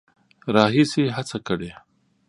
راهیسې هڅه کړې